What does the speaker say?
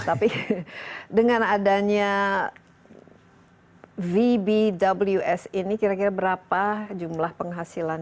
tapi dengan adanya vbws ini kira kira berapa jumlah penghasilan